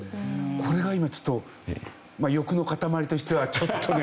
これが今ちょっと欲の塊としてはちょっとね